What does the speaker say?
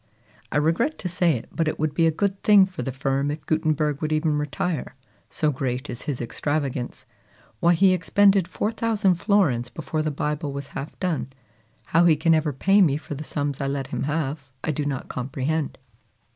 I regret to say it, but it would be a good thing for the firm if Gutenberg would even retire, so great is his extravagance. Why, he expended 4,000 florins before the Bible was half done! How he can ever pay me for the sums I let him have, I do not comprehend."